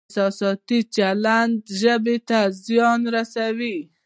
احساساتي چلند ژبې ته زیان رسوي.